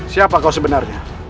siapa kau sebenarnya